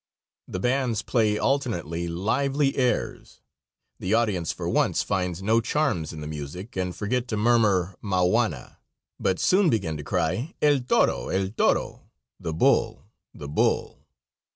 The bands play alternately lively airs, the audience for once find no charms in the music and forget to murmur mauana, but soon begin to cry "El toro! El toro!" (The bull! the bull!)